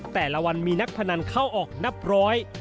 แต่ละวันมีนักพนันเข้าออกนับร้อย